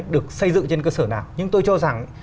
được xây dựng trên cơ sở nào nhưng tôi cho rằng